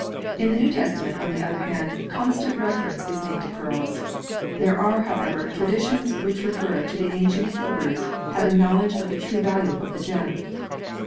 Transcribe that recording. In the New Testament, on the other hand, con stant reference is made to pearls. There are, how ever, traditions which refer to the ancient Hebrews having knowledge of the true value of the gem.